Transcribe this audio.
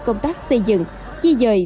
công tác xây dựng di dời